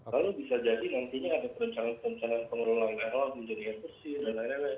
lalu bisa jadi nantinya ada perencanaan perencanaan pengelolaan air hal hal menjadi ekstrasi dan lain lain